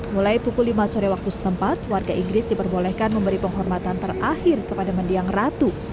mulai pukul lima sore waktu setempat warga inggris diperbolehkan memberi penghormatan terakhir kepada mendiang ratu